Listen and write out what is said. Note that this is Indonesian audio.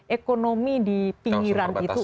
ekonomi di pinggiran itu